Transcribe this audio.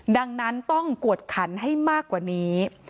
ดังนั้นต้องกวดขันให้มากกว่านี้